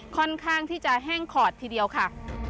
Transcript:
ค่อนข้างที่จะแห้งขอดทีเดียวค่ะ